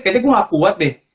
kayaknya gue gak kuat deh